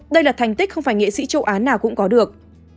đây là thành tích không phải nghệ sĩ châu á nào cũng có được